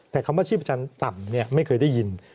แต่คำว่าชีพจรต่ำไม่เคยได้ยิน